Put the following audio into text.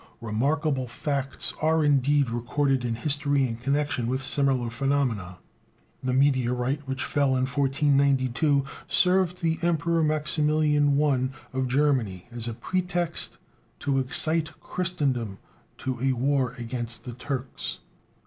Remarkable facts are indeed recorded in history in connection with similar phenomena: the meteorite which fell in 1492 served the Emperor Maximilian I of Germany as a pretext to excite Christendom to a war against the Turks.